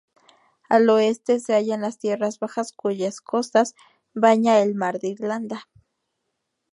Al oeste se hallan las tierras bajas cuyas costas baña el mar de Irlanda.